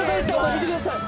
見てください。